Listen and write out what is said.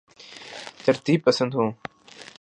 ترتیب پسند ہوں